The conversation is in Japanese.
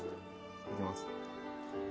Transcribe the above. いきます。